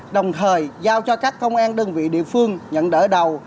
đồng thời giao cho các công an đơn vị địa phương nhận đỡ đầu